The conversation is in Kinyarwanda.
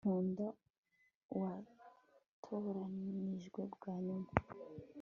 Nkunda uwatoranijwe bwa nyuma